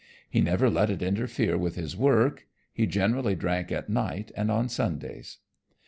He never let it interfere with his work, he generally drank at night and on Sundays.